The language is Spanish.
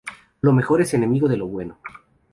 Lo mejor es enemigo de lo bueno